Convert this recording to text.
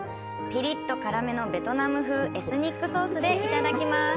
ピリッと辛めのベトナム風エスニックソースでいただきます。